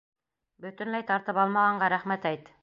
Бөтөнләй тартып алмағанға рәхмәт әйт!